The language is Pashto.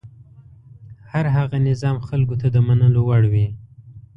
هر هغه نظام خلکو ته د منلو وړ وي.